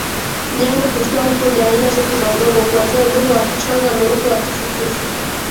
Nyanya hustawi kwenye aina zote za udongo kuanzia udongo wa kichanga mweupe wa tifutifu